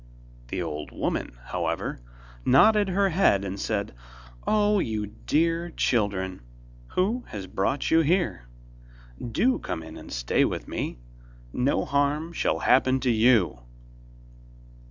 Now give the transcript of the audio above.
The old woman, however, nodded her head, and said: 'Oh, you dear children, who has brought you here? do come in, and stay with me. No harm shall happen to you.